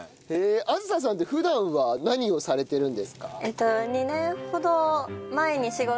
梓さんって普段は何をされてるんですか？